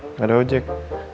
enggak ada ojek